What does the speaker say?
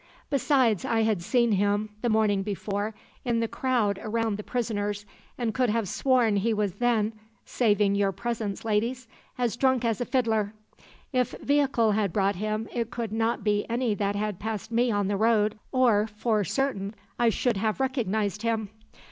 Besides, I had seen him, the morning before, in the crowd around the prisoners, and could have sworn he was then saving your presence, ladies as drunk as a fiddler. If vehicle had brought him, it could not be any that had passed me on the road, or for certain I should have recognized him.